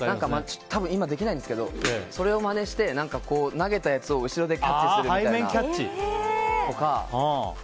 多分、今できないんですけどそれをまねして投げたやつを後ろでキャッチするみたいなのとか。